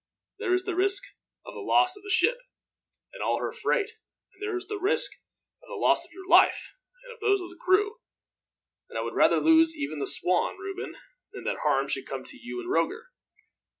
"There is the risk of the loss of the ship and all her freight, and there is the risk of the loss of your life and of those of the crew; and I would rather lose even the Swan, Reuben, than that harm should come to you and Roger.